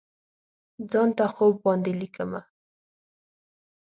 ځان ته خوب باندې لیکمه